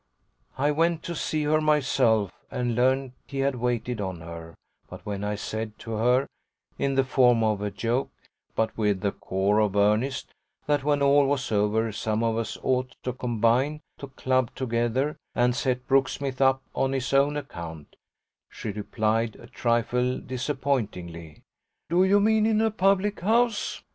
I went to see her myself and learned he had waited on her; but when I said to her, in the form of a joke but with a core of earnest, that when all was over some of us ought to combine, to club together, and set Brooksmith up on his own account, she replied a trifle disappointingly: "Do you mean in a public house?"